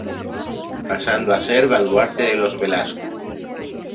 Pasando a ser baluarte de los Velasco.